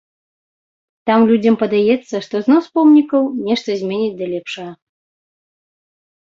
Там людзям падаецца, што знос помнікаў нешта зменіць да лепшага.